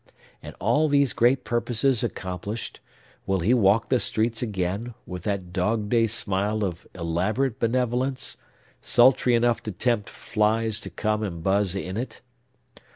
And all these great purposes accomplished, will he walk the streets again, with that dog day smile of elaborate benevolence, sultry enough to tempt flies to come and buzz in it?